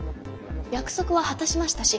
約束は果たしましたし